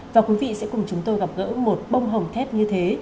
và quý vị sẽ cùng chúng tôi gặp gỡ một bông hồng thép như thế